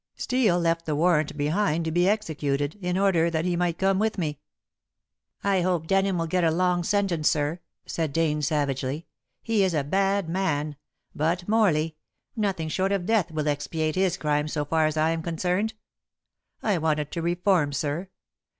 Steel left the warrant behind to be executed, in order that he might come with me." "I hope Denham will get a long sentence, sir," said Dane savagely. "He is a bad man. But Morley nothing short of death will expiate his crime so far as I am concerned. I wanted to reform, sir.